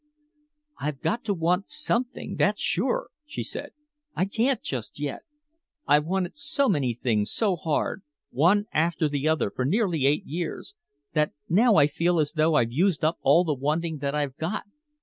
"I've got to want something that's sure," she said. "I can't just yet. I've wanted so many things so hard, one after the other for nearly eight years, that now I feel as though I'd used up all the wanting that I've got.